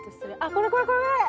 これこれこれこれ！